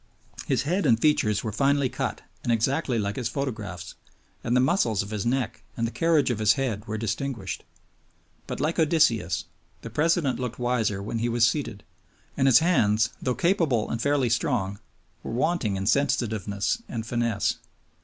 His head and features were finely cut and exactly like his photographs, and the muscles of his neck and the carriage of his head were distinguished. But, like Odysseus, the President looked wiser when he was seated; and his hands, though capable and fairly strong, were wanting in sensitiveness and finesse.